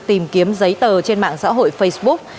tìm kiếm giấy tờ trên mạng xã hội facebook